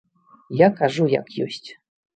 Я кажу як ёсць.